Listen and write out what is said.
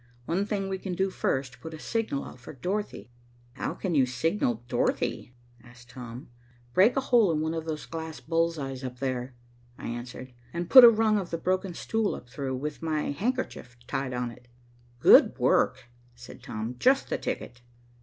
"One thing we can do first, put a signal out for Dorothy." "How can you signal Dorothy?" asked Tom. "Break a hole in one of those glass bull's eyes up there," I answered, "and put a rung of the broken stool up through, with my handkerchief tied on it." "Good work," said Tom. "Just the ticket."